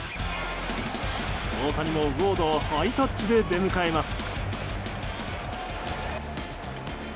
大谷もウォードをハイタッチで出迎えます。